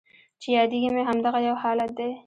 چې یادیږي مې همدغه یو حالت دی